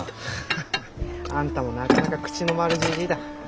ハハあんたもなかなか口の回るじじいだ。